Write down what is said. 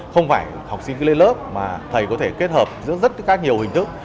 không phải học sinh lên lớp mà thầy có thể kết hợp giữa rất nhiều hình thức